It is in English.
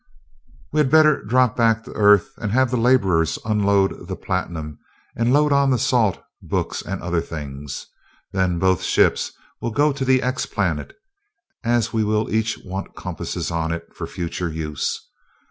"We had better drop back to Earth, have the laborers unload the platinum, and load on the salt, books, and other things. Then both ships will go to the 'X' planet, as we will each want compasses on it, for future use.